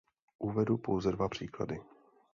Uvedu pouze dva příklady.